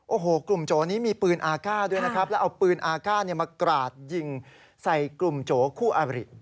โอ้โหกลุ่มโจนี้มีปืนอาก้าด้วยนะครับแล้วเอาปืนอาก้ามากราดยิงใส่กลุ่มโจคู่อาริ